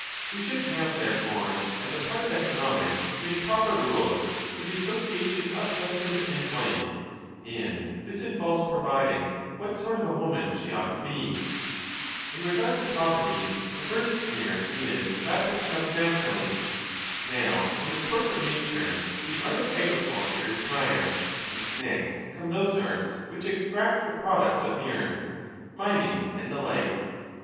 We should have, therefore, as a part of economics to make proper rules for the association of husband and wife; and this involves providing what sort of a woman she ought to be. 35 In regard to property the first care is that which comes naturally. Now in the course of nature the art of agriculture is prior, and next come those arts which extract the products of the earth, mining and the like.